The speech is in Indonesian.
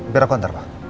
biar aku hantar pak